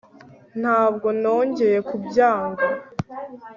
ntabwo nongeye kubyanga